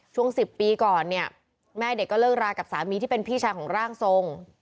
ช่วง๑๐ปีก่อนเนี่ยแม่เด็กก็เลิกรากับสามีที่เป็นพี่ชายของร่างทรง